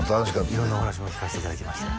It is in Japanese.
色んなお話も聞かせていただきました